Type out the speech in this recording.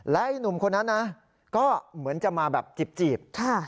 และไอ้หนุ่มคนนั้นนะก็เหมือนจะมาแบบจีบ